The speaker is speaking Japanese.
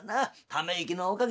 ため息のおかげだ。